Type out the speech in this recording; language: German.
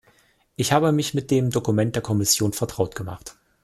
Ich habe mich mit dem Dokument der Kommission vertraut gemacht.